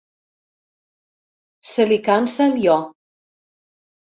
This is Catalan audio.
Se li cansa el jo.